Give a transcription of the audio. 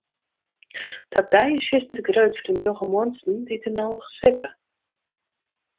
De abdij is fierstente grut foar de njoggen muontsen dy't der noch sitte.